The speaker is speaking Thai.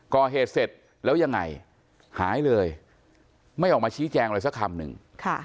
ก่อเหตุเสร็จแล้วยังไงหายเลยไม่ออกมาชี้แจงอะไรสักคำหนึ่ง